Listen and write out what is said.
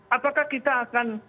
apakah kita akan